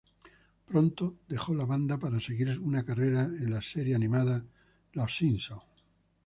Pronto dejó la banda para seguir una carrera en la serie animada "Los Simpsons".